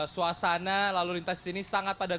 suasana lalu lintas disini sangat padat